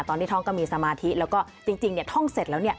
ตอนที่ท่องก็มีสมาธิแล้วก็จริงจริงเนี้ยท่องเสร็จแล้วเนี้ย